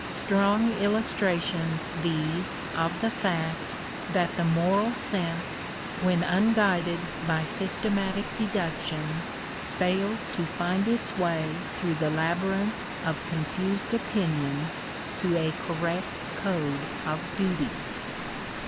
Strong illustrations these of the fact, that the moral sense, when unguided by systematic deduction, fails to find its way through the labyrinth of confused opinion, to a correct code of duty.